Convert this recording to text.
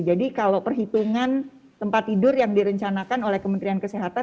jadi kalau perhitungan tempat tidur yang direncanakan oleh kementerian kesehatan